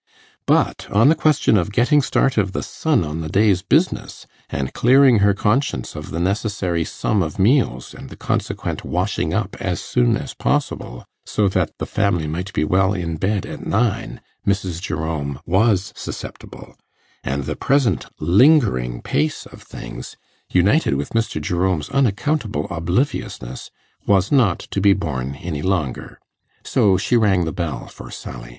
But on the question of getting start of the sun on the day's business, and clearing her conscience of the necessary sum of meals and the consequent 'washing up' as soon as possible, so that the family might be well in bed at nine, Mrs. Jerome was susceptible; and the present lingering pace of things, united with Mr. Jerome's unaccountable obliviousness, was not to be borne any longer. So she rang the bell for Sally.